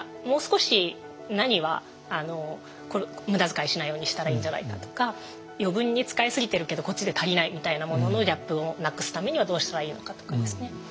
もう少し何は無駄遣いしないようにしたらいいんじゃないかとか余分に使い過ぎてるけどこっちで足りないみたいなもののギャップをなくすためにはどうしたらいいのかとかですね。